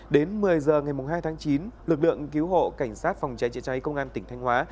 đến một mươi h ngày hai tháng chín lực lượng cứu hộ cảnh sát phòng cháy chữa cháy công an tỉnh thanh hóa